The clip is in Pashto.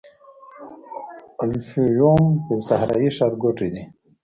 الفیوم یو صحرايي ښارګوټی دی.